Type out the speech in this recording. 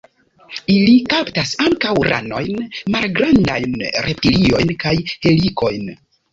Ili kaptas ankaŭ ranojn, malgrandajn reptiliojn kaj helikojn.